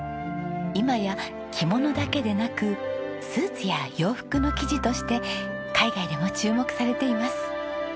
今や着物だけでなくスーツや洋服の生地として海外でも注目されています。